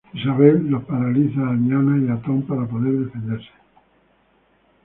Isabelle los paraliza a Diana y a Tom para poder defenderse.